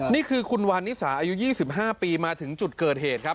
นี่คือคุณวันนิสาอายุ๒๕ปีมาถึงจุดเกิดเหตุครับ